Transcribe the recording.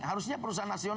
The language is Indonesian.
harusnya perusahaan asing